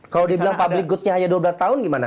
kalau dibilang public goodsnya hanya dua belas tahun gimana